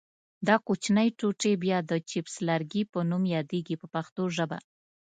دا کوچنۍ ټوټې بیا د چپس لرګي په نوم یادیږي په پښتو ژبه.